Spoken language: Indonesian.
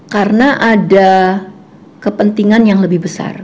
karena ada kepentingan yang lebih besar